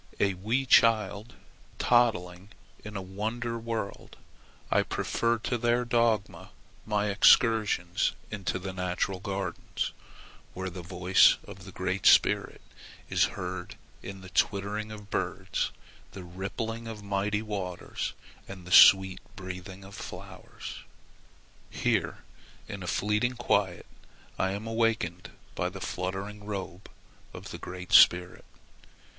A wee child toddling in a wonder world, I prefer to their dogma my excursions into the natural gardens where the voice of the Great Spirit is heard in the twittering of birds, the rippling of mighty waters, and the sweet breathing of flowers. Here, in a fleeting quiet, I am awakened by the fluttering robe of the Great Spirit.